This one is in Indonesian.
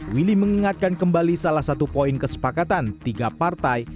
willy mengingatkan kembali salah satu poin kesepakatan tiga partai